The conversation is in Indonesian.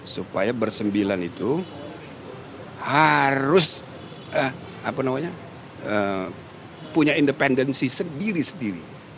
supaya bersembilan itu harus punya independensi sendiri sendiri